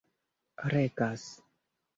regas